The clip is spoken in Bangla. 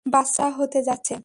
বাচ্চা হতে যাচ্ছে।